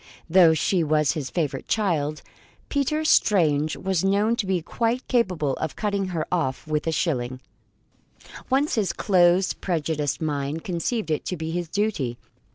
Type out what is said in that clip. Though she was his favourite child, Peter Strange was known to be quite capable of cutting her off with a shilling, once his close, prejudiced mind conceived it to be his duty.